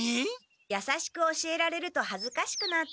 やさしく教えられるとはずかしくなって。